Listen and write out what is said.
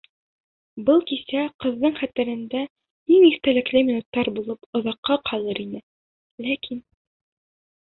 Был кисә ҡыҙҙың хәтерендә иң иҫтәлекле минуттар булып оҙаҡҡа ҡалыр ине, ләкин...